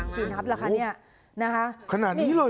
กี่นัดล่ะคะเนี่ยนะคะขนาดนี้เลย